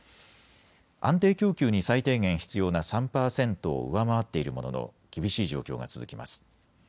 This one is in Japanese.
安定供給に最低限必要な３％を上回っているものの厳しい状況が続きます。